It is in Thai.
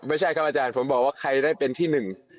ไม่ใช่ครับอาจารย์ผมบอกว่าใครได้เป็นที่หนึ่ง